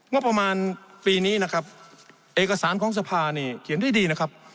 งบประมาณปีนี้นะครับเอกสารของสภานี่เขียนได้ดีนะครับ